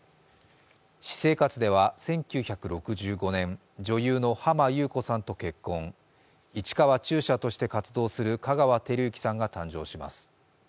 私生活では１９６５年、女優の浜木綿子さんと結婚、市川中車として活動する香川照之さんが誕生します。